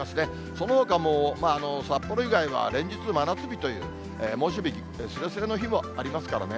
そのほかも札幌以外は連日真夏日という、猛暑日すれすれの日もありますからね。